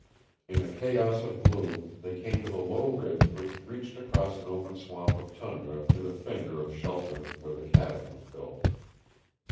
In a chaos of gloom they came to the low ridge which reached across an open sweep of tundra to the finger of shelter where the cabin was built.